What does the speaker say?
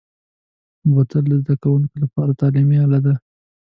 بوتل د زده کوونکو لپاره تعلیمي اله ده.